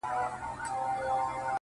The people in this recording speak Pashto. لـــكــه ښـــه اهـنـــگ!!